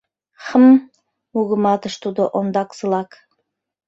Хм! — мугыматыш тудо ондаксылак.